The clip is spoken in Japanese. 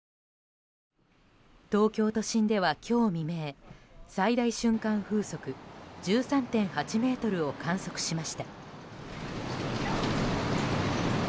東京都心では今日未明最大瞬間風速１３．８メートルを観測しました。